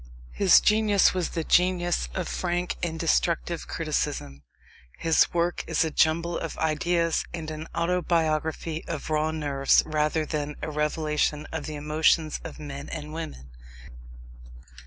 His genius was the genius of frank and destructive criticism. His work is a jumble of ideas and an autobiography of raw nerves rather than a revelation of the emotions of men and women.